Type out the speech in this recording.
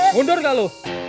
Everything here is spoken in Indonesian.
mundur gak lo